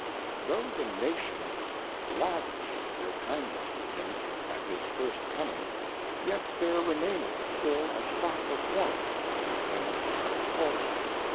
Tho the Nation was lavish of their Kindness to him at his first coming, yet there remaineth still a stock of Warmth in Mens Hearts for him.